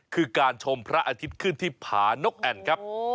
คือการชมพระอาทิตย์ขึ้นที่ผานกแอ่นครับ